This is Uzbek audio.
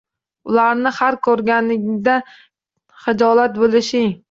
Ularni har koʻrganingda xijolat boʻlishing